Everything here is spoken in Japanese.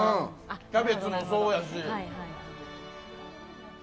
キャベツもそうやし。